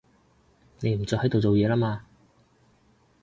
你唔再喺度做嘢啦嘛